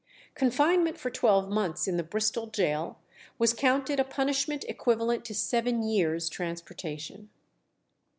Confinement for twelve months in the Bristol gaol was counted a punishment equivalent to seven years' transportation.